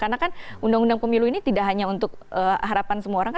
karena kan undang undang pemilu ini tidak hanya untuk harapan semua orang